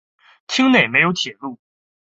町内没有铁路。